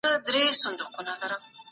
د نوښتونو سرچینه کوچني شرکتونه دي.